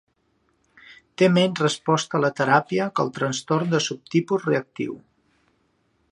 Té menys resposta a la teràpia que el trastorn de subtipus reactiu.